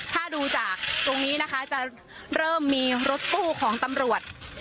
ถ้าดูจากตรงนี้นะคะจะเริ่มมีรถตู้ของตำรวจ